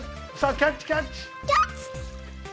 キャッチ！